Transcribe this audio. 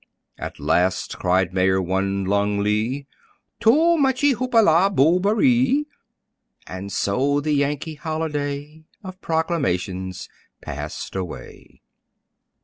At last, cried Mayor Wun Lung Lee "Too muchee hoop la boberee!" And so the Yankee holiday, Of proclamations passed away.